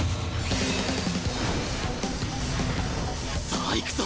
さあいくぞ！